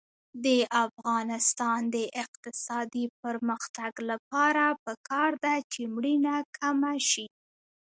د افغانستان د اقتصادي پرمختګ لپاره پکار ده چې مړینه کمه شي.